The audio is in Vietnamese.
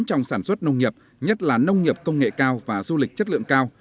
trong sản xuất nông nghiệp nhất là nông nghiệp công nghệ cao và du lịch chất lượng cao